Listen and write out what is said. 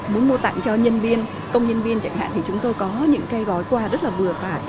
muốn mua tặng cho nhân viên công nhân viên chẳng hạn thì chúng tôi có những cái gói quà rất là vừa vạt